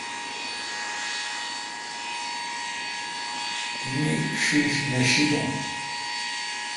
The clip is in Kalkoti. مہ ݭݭ نہ شیلوں۔